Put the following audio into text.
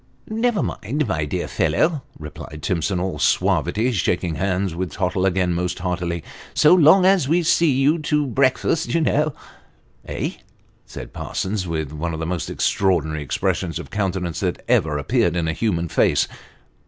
" Never mind, my dear fellow," replied Timson, all suavity, shaking hands with Tottle again most heartily, "so long as we see you to breakfast, you know " Eh !" said Parsons, with one of the most extraordinary expressions of countenance that ever appeared in a human face.